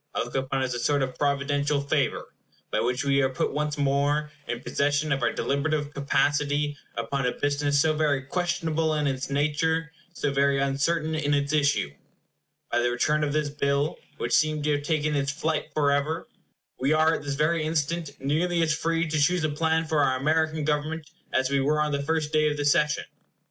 I look upon it as a sort of providential favor, by which we are put once more in possession of our deliberative capacity upon a business so very questionable in its nature, so very uncertain in its issue. By the return of this bill, which seemed to have taken its flight forever, we are at this very instant nearly as free to choose a plan for our American Government as we were on the first day of the session.